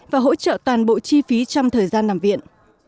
và hỗ trợ toàn bộ chi phí trong thời gian nằm viện